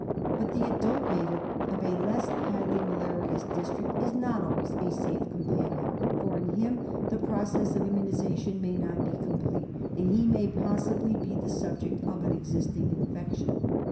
' But the adult MALARIA. 103 native of a less highly malarious district is not always a safe companion, for in him the process of immunisa tion may not be complete, and he may possibly be the subject of an existing infection.